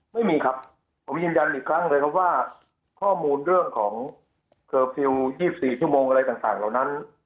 ไม่มีครับผมยืนยันอีกครั้งเลยครับว่าข้อมูลเรื่องของเคอร์ฟิลล์๒๔ชั่วโมงอะไรต่างเหล่านั้น